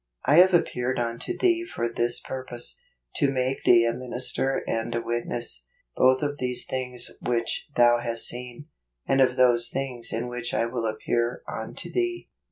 " I have appeared unto thee for this purpose , to make thee a minister and a witness , both of these things which thou hast seen, and of those things in which I will appear unto thee."